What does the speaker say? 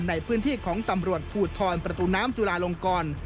ในพื้นที่ของตำรวจภูทรประตูน้ำจุลาลงกร